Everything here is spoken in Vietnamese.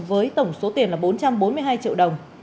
với tổng số tiền là bốn trăm bốn mươi hai triệu đồng